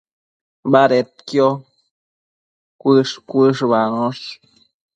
Badedquio cuësh-cuëshbanosh